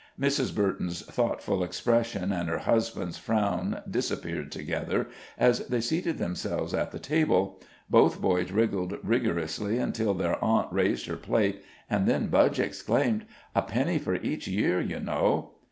Mrs. Burton's thoughtful expression and her husband's frown disappeared together, as they seated themselves at the table. Both boys wriggled rigorously until their aunt raised her plate, and then Budge exclaimed: "A penny for each year, you know."